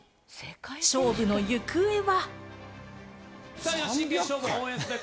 勝負の行方は。